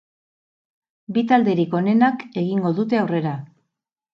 Bi talderik onenak egingo dute aurrera.